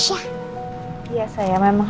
saya seneng banget sama dede keisha